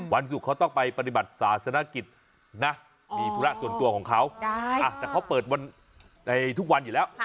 วันศุกร์เขาต้องไปปฏิบัติศาสนกิจนะมีธุระส่วนตัวของเขาแต่เขาเปิดวันในทุกวันอยู่แล้ว